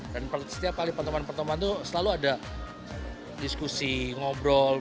dan setiap kali pertemuan pertemuan itu selalu ada diskusi ngobrol